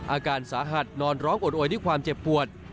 อาการสาหัสนอนร้องโอดโวยด้วยความเจ็บปวด